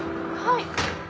はい。